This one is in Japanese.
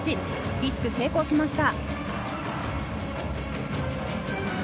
リスク成功しました。